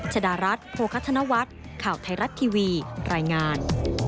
ชดารัฐโภคธนวัฒน์ข่าวไทยรัฐทีวีรายงาน